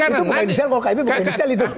itu bukan inisial kalau kib bukan inisial itu